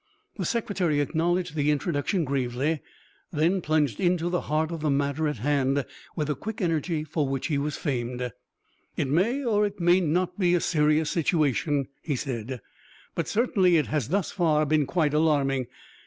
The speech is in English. The Secretary acknowledged the introduction gravely, then plunged into the heart of the matter at hand with the quick energy for which he was famed. "It may or may not be a serious situation," he said, "but certainly it has thus far been quite alarming.